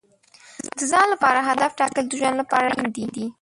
د ځان لپاره هدف ټاکل د ژوند لپاره اړین دي.